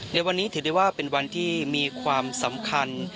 ในวันนี้ถือได้ว่าเป็นวันที่มีความสำคัญ